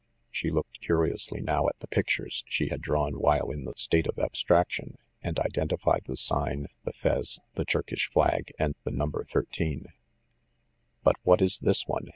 She looked curiously now at the pictures she had drawn while in the state of abstraction, and identified the sign, the fez, the Turkish flag, and the number 13. "But what is this one?"